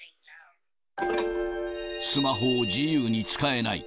スマホを自由に使えない。